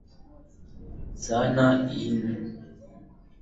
Sanaa hiyo ni nzuri sana na ina rangi za kuvutia sana.